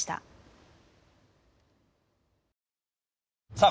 さあ